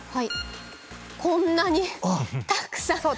こんなにたくさん。